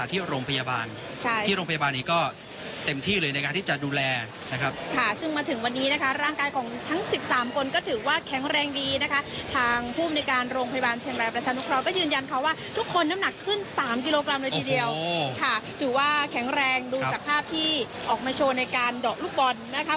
ทางผู้บริการโรงพยาบาลเชียงรายประชานุครองก็ยืนยันเขาว่าทุกคนน้ำหนักขึ้นสามกิโลกรัมในทีเดียวโอ้โหค่ะถือว่าแข็งแรงดูจากภาพที่ออกมาโชว์ในการเดาะลูกบอลนะคะ